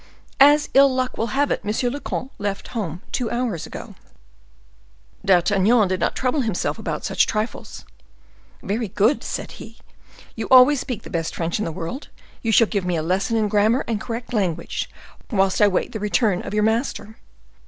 As ill luck will have it, monsieur le comte left home two hours ago." D'Artagnan did not trouble himself about such trifles. "Very good!" said he. "You always speak the best French in the world; you shall give me a lesson in grammar and correct language, whilst I wait the return of your master."